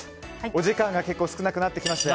お時間が結構少なくなってきました。